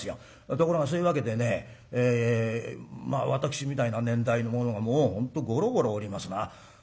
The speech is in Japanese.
ところがそういうわけでねまあ私みたいな年代の者がもう本当ごろごろおりますな。